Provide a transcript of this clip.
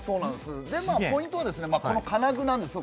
ポイントはこの金具です。